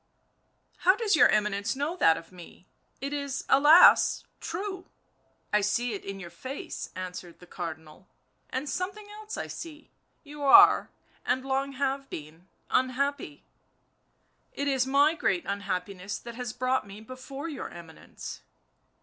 " How does your Eminence know that of me? — it is, alas ! true." " I see it in your face," answered the Cardinal, " and something else I see — you are, and long have been, unhappy." " It is my great unhappiness that has brought me before your Eminence."